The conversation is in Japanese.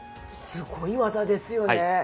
すごい技ですよね。